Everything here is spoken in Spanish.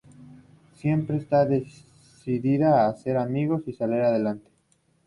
Siempre está decidida a hacer amigos y salir adelante.